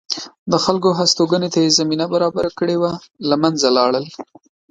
د خلکو هستوګنې ته یې زمینه برابره کړې وه له منځه لاړل